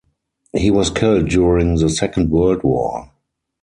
He was killed during the Second World War.